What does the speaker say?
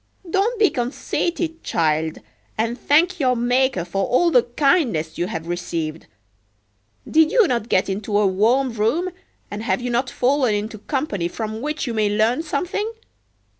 Don't be conceited, child, and thank your Maker for all the kindness you have received. Did you not get into a warm room, and have you not fallen into company from which you may learn something?